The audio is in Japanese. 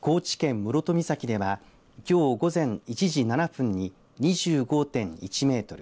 室戸岬ではきょう午前１時７分に２５．１メートル